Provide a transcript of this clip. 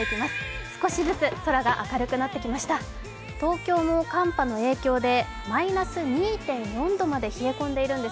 東京も寒波の影響でマイナス２．４度まで冷え込んでいるんです。